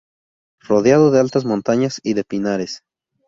Rodeado de altas montañas y de pinares.